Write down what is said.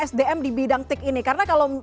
sdm di bidang tick ini karena kalau